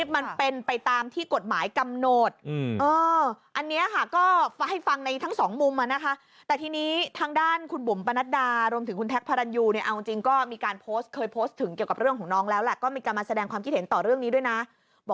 มันเป็นเหตุผลนะครับตรงนี้นะครับ